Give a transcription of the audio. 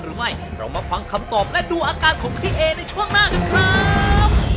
เรามาฟังคำตอบและดูอากาศของคุณพี่เอ๋ในช่วงหน้ากันครับ